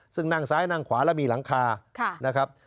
ซึ่งนั่งซ้ายนั่งขวาแล้วมีหลังคานะครับ